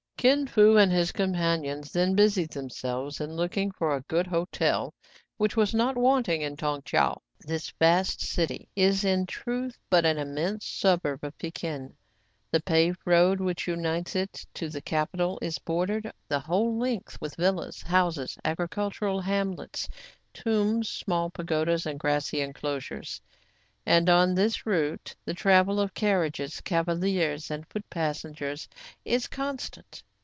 Kin Fo and his companions then busied them selves in looking for a good hotel, which was not wanting at Tong Tcheou. This vast city is in truth but an immense suburb of Pekin. The paved road which unites it to the ' capital is bordered the whole length with villas, houses, agricultural hamlets, tombs, small pagodas, and grassy enclosures ; and on this route the travel of carriages, cavaliers, and foot passengers is con stant.